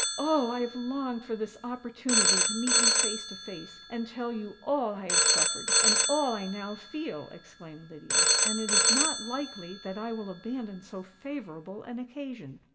"Oh! I have longed for this opportunity to meet you face to face, and tell you all I have suffered, and all I now feel!" exclaimed Lydia; "and it is not likely that I will abandon so favourable an occasion.